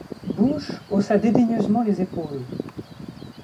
Busch haussa dédaigneusement les épaules.